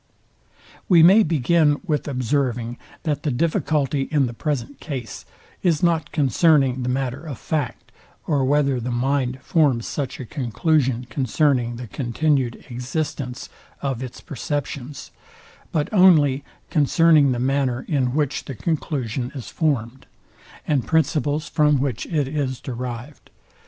We may begin with observing, that the difficulty in the present case is not concerning the matter of fact, or whether the mind forms such a conclusion concerning the continued existence of its perceptions, but only concerning the manner in which the conclusion is formed, and principles from which it is derived.